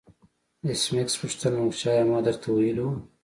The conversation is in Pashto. ایس میکس پوښتنه وکړه چې ایا ما درته ویلي وو